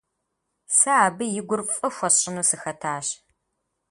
Сэ абы и гур фӀы хуэсщӀыну сыхэтащ.